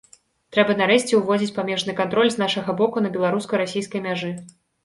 Трэба нарэшце ўводзіць памежны кантроль з нашага боку на беларуска-расійскай мяжы.